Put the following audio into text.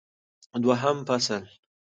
دوهم فصل